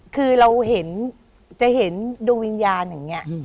คือเราเห็นจะเห็นดวงวิญญาณอย่างนี้